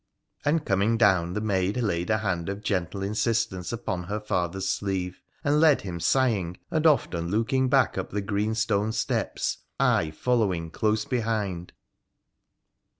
' and coming down the maid laid a hand of gentle insistence upon her father's sleeve, and led him sighing and often look ing back up the green stone steps, I following close behind.